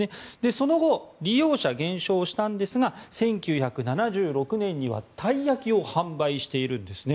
その後、利用者が減少したんですが１９７６年にはたい焼きを販売しているんですね。